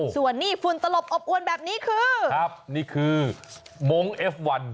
ส่วนนี่ฝุ่นตลบอบอวนแบบนี้คือครับนี่คือมงค์เอฟวัน